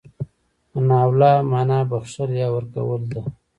مناوله مانا بخښل، يا ورکول ده.